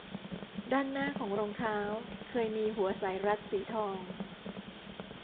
ด้านหน้าของรองเท้าเคยมีหัวสายรัดสีทอง